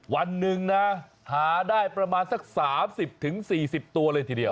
วันหนึ่งนะหาได้ประมาณสัก๓๐๔๐ตัวเลยทีเดียว